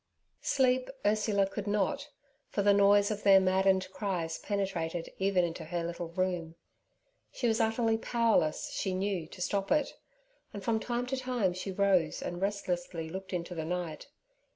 Sleep Ursula could not, for the noise of their maddened cries penetrated even into her little room. She was utterly powerless, she knew, to stop it; and from time to time she rose and restlessly looked into the night.